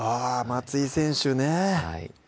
松井選手ね